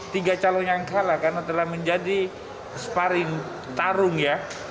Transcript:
tiga calon yang kalah karena telah menjadi sparring tarung ya